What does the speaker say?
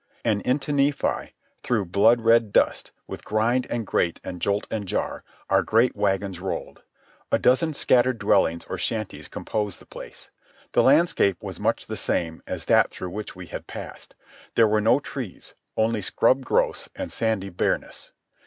And into Nephi, through blood red dust, with grind and grate and jolt and jar, our great wagons rolled. A dozen scattered dwellings or shanties composed the place. The landscape was much the same as that through which we had passed. There were no trees, only scrub growths and sandy bareness.